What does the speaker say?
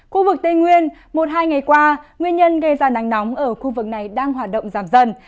khu vực tây nguyên một hai ngày qua nguyên nhân gây ra nắng nóng ở khu vực này đang hoạt động giảm dần